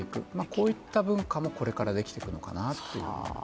こういった文化もこれからできてくるのかなと。